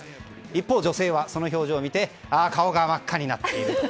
一方、女性はその表情を見て顔が真っ赤になっていると。